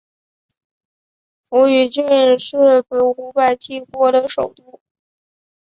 扶余郡是古百济国的首都。